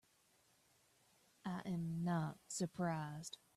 I am not surprised.